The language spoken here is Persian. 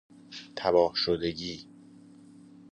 تباه شدگی